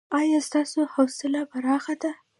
ایا ستاسو حوصله پراخه ده؟